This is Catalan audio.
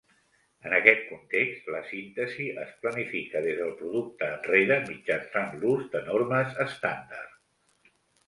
En aquest context, la síntesi es planifica des del producte enrere, mitjançant l'ús de normes estàndard.